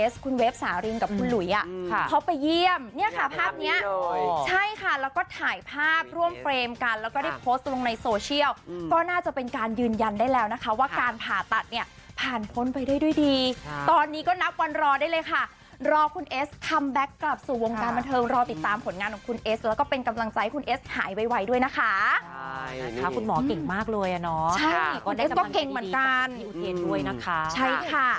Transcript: ร่วมเฟรมกันแล้วก็ได้โพสต์ลงในโซเชียลก็น่าจะเป็นการยืนยันได้แล้วนะคะว่าการผ่าตัดเนี่ยผ่านพ้นไปด้วยดีตอนนี้ก็นับวันรอได้เลยค่ะรอคุณเอสคัมแบ็คกลับสู่วงการบันเทิงรอติดตามผลงานของคุณเอสแล้วก็เป็นกำลังใจให้คุณเอสหายไวด้วยนะคะใช่นะคะคุณหมอเก่งมากเลยอ่ะเนาะใช่ค่ะ